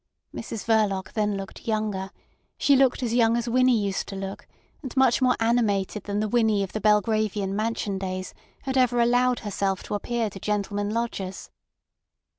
Mrs Verloc then looked younger; she looked as young as Winnie used to look, and much more animated than the Winnie of the Belgravian mansion days had ever allowed herself to appear to gentlemen lodgers.